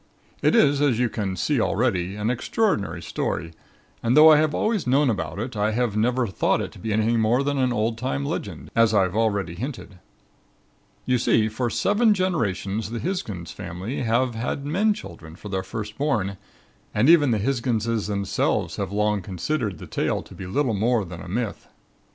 "It is, as you can see already, an extraordinary story and though I have always known about it, I have never thought it to be anything more than an old time legend, as I have already hinted. You see, for seven generations the Hisgins family have had men children for their first born and even the Hisginses themselves have long considered the tale to be little more than a myth.